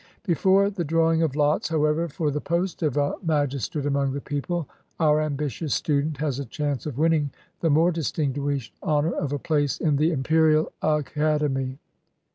Before the drawing of lots, however, for the post of a magistrate among the people, our ambitious student has a chance of winning the more distinguished honor of a place in the Imperial Academy.